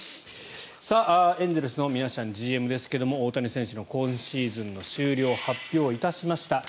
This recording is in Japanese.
エンゼルスのミナシアンＧＭですが大谷選手の今シーズンの終了を発表いたしました。